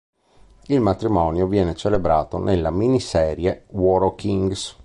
Il matrimonio viene celebrato nella miniserie "War of Kings".